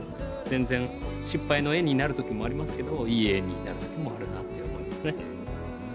全然失敗の絵になるときもありますけどいい絵になるときもあるなって思いますね。